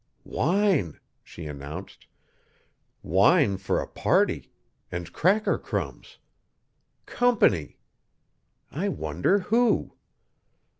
"Wine!" she announced, "wine for a party, and cracker crumbs! Company! I wonder who?